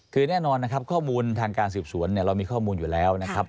คือแน่นอนนะครับข้อมูลทางการสืบสวนเนี่ยเรามีข้อมูลอยู่แล้วนะครับ